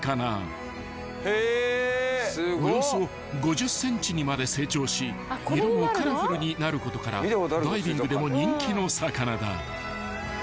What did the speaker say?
［およそ５０ｃｍにまで成長し色もカラフルになることからダイビングでも人気の魚だ］